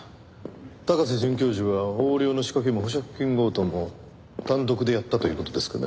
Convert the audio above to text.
高瀬准教授は横領の仕掛けも保釈金強盗も単独でやったという事ですかね？